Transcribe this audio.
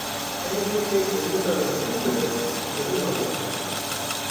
Hemû kesên ku nizanin hîn bibin, dibin mamoste.